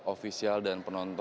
ofisial dan penonton